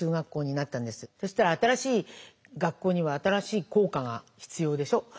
そしたら新しい学校には新しい校歌が必要でしょ。